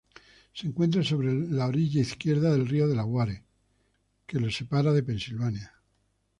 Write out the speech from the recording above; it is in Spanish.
Se encuentra sobre la orilla izquierda del río Delaware, que la separa de Pensilvania.